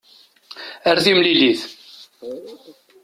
Ar timlilit!